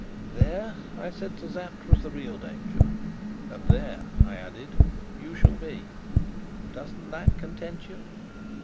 There, I said to Sapt, was the real danger. "And there," I added, "you shall be. Doesn't that content you?"